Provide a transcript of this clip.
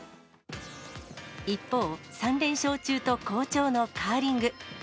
一方、３連勝中と好調のカーリング。